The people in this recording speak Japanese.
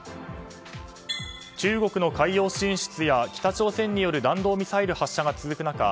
中国の海洋進出や北朝鮮による弾道ミサイル発射が続く中